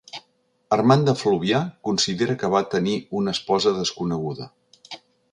Armand de Fluvià considera que va tenir una esposa desconeguda.